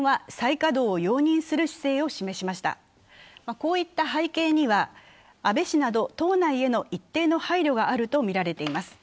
こういった背景には安倍氏など党内への一定の配慮があるとみられています。